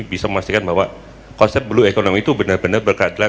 bisa memastikan bahwa konsep blue economy itu benar benar berkeadilan